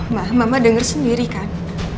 ma mama denger sendiri kan